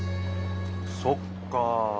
そっか。